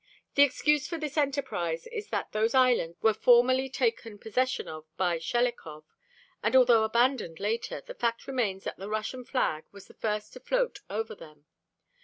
The excuse for this enterprise is that those islands were formally taken possession of by Shelikov; and although abandoned later, the fact remains that the Russian flag was the first to float over them.